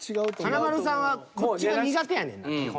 華丸さんはこっちが苦手やねんな基本。